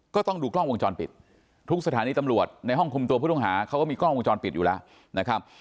ต้องดูกล้องวงจรปิดทุกสถานีตำรวจในห้องคุมตัวผู้ต้องหาเขาก็มีกล้องวงจรปิดอยู่แล้วนะครับ